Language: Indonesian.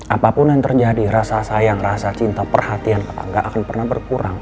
apapun yang terjadi rasa sayang rasa cinta perhatian gak akan pernah berkurang